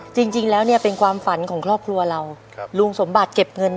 จริงแล้วเนี่ยเป็นความฝันของครอบครัวเราลุงสมบัติเก็บเงิน